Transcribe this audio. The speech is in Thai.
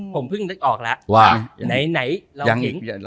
ผมพึ่งได้ออกแล้ว